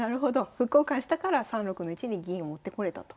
歩交換したから３六の位置に銀を持ってこれたと。